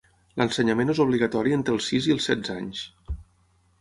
L'ensenyament és obligatori entre els sis i els setze anys.